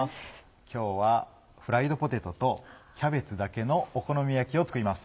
今日はフライドポテトとキャベツだけのお好み焼きを作ります。